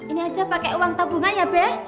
ini aja pake uang tabungan ya be